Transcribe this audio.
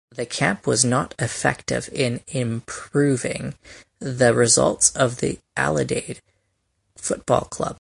The camp was not effective in improving the results of the Adelaide Football Club.